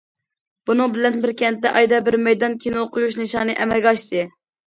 بۇنىڭ بىلەن بىر كەنتتە ئايدا بىر مەيدان كىنو قويۇش نىشانى ئەمەلگە ئاشتى.